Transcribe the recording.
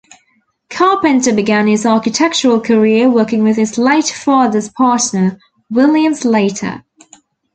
Carpenter began his architectural career working with his late father's partner William Slater.